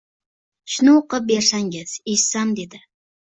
«shuni o'qib bersangiz, eshitsam»,—dedi.